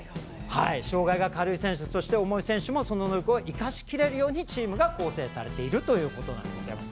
障がいが軽い選手、重い選手もその能力が生かしきれるように構成されているということなんでございます。